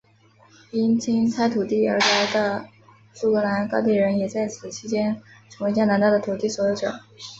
因清拆土地而来的苏格兰高地人也在此期间成为加拿大的土地所有者。